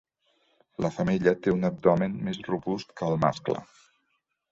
La femella té un abdomen més robust que el mascle.